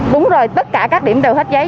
đúng rồi tất cả các điểm đều hết giấy